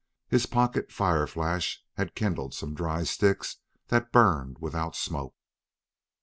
His pocket fireflash had kindled some dry sticks that burned without smoke.